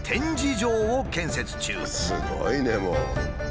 すごいねもう。